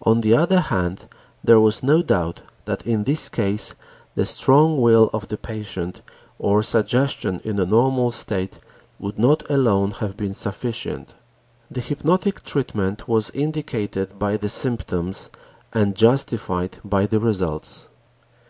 On the other hand, there was no doubt that in this case the strong will of the patient or suggestion in a normal state would not alone have been sufficient. The hypnotic treatment was indicated by the symptoms and justified by the results.